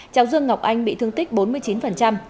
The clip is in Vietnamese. cháu dương ngọc anh bị thương tích bốn mươi chín